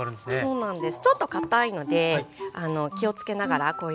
そうなんです。